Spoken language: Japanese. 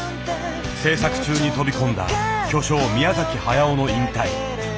製作中に飛び込んだ巨匠宮崎駿の引退。